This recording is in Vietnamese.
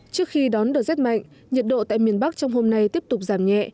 trước khi đón đợt rét mạnh nhiệt độ tại miền bắc trong hôm nay tiếp tục giảm nhẹ